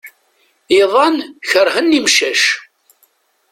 Iḍan kerhen imcac.